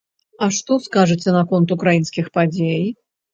А што скажаце наконт украінскіх падзей?